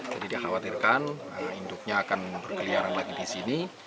jadi dikhawatirkan induknya akan berkeliaran lagi di sini